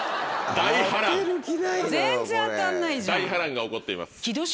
大波乱大波乱が起こっています。